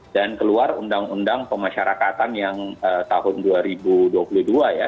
dan keluar undang undang pemasyarakatan yang tahun dua ribu dua puluh dua ya